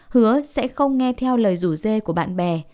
hứa sẽ không nghe theo lời rủ dê của bạn bè